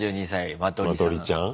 マトリちゃん。